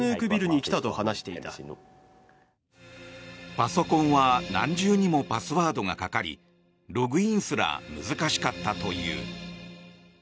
パソコンは何重にもパスワードがかかりログインすら難しかったという。